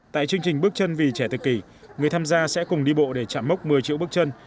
tại chương trình bước chân vì trẻ tự kỷ người tham gia sẽ cùng đi bộ để chạm mốc một mươi triệu bước chân